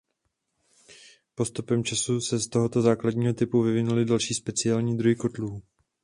Postupem času se z tohoto základního typu vyvinuly další speciální druhy kotlů.